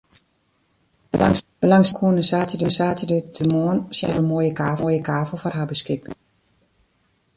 Belangstellenden koene saterdeitemoarn sjen oft der in moaie kavel foar har beskikber wie.